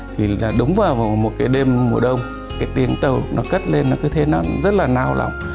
thì là đúng vào một cái đêm mùa đông cái tiếng tàu nó cất lên nó cứ thế nó rất là nao lỏng